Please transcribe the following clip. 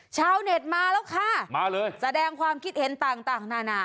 ชาวเน็ตมาละก้ามาเลยแสดงความคิดเห็นต่าง